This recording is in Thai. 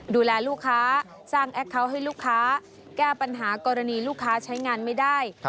ดูแลลูกค้าสร้างแอคเคาน์ให้ลูกค้าแก้ปัญหากรณีลูกค้าใช้งานไม่ได้